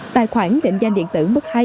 tài khoản định danh điện tử mức hai